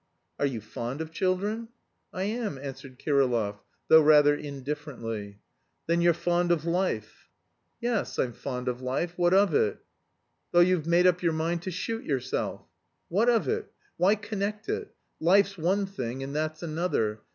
"Are you fond of children?" "I am," answered Kirillov, though rather indifferently. "Then you're fond of life?" "Yes, I'm fond of life! What of it?" "Though you've made up your mind to shoot yourself." "What of it? Why connect it? Life's one thing and that's another.